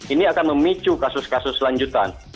ini akan memicu kasus kasus lanjutan